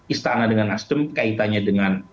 istana dengan nasdem kaitannya dengan